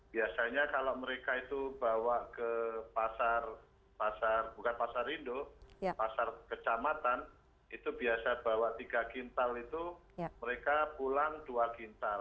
biasanya kalau mereka itu bawa ke pasar pasar bukan pasar induk pasar kecamatan itu biasa bawa tiga kintal itu mereka pulang dua kintal